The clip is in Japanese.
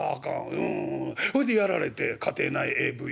「うんうんうんほいでやられて家庭内ＡＶ」。